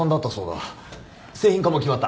製品化も決まった。